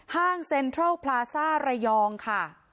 ห้างเซ็นทรัลพลาซ่าระยองค่ะ